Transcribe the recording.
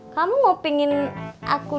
kamu mau pingin aku